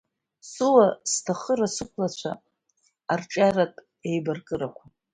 Сыуа, сҭахыра, сықәлацәа, арҿиаратә еибаркырақәа.